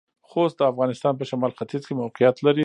خوست د افغانستان پۀ شمالختيځ کې موقعيت لري.